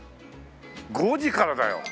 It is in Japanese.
５時からだよ。